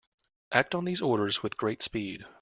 Act on these orders with great speed.